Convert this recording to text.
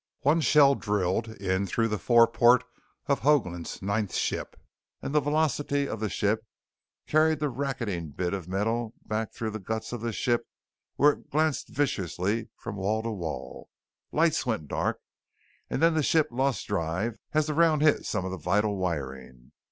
One shell drilled in through the fore port of Hoagland's ninth ship and the velocity of the ship carried the racketing bit of metal back through the guts of the ship where it glanced viciously from wall to wall. Lights went dark and then the ship lost drive as the round hit some of the vital wiring.